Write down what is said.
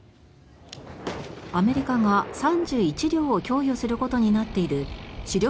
アメリカが３１両を供与することになっている主力